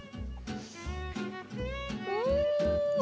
うん！